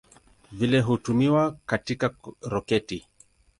Vile hutumiwa katika roketi.